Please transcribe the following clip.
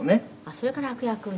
「それから悪役を」